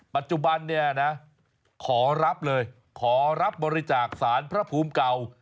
ปัจจุบันเนี่ยนะขอรับเลยขอรับบริจาคสารพระภูมิเก่า